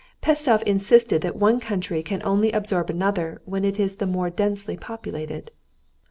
Pestsov insisted that one country can only absorb another when it is the more densely populated.